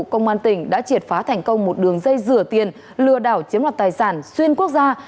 công an tỉnh đã triệt phá thành công một đường dây rửa tiền lừa đảo chiếm đoạt tài sản xuyên quốc gia